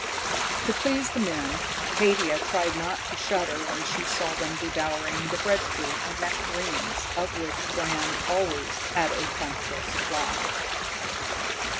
To please the men, Haidia tried not to shudder when she saw them devouring the breadfruit and nectarines of which Bram always had a plentiful supply.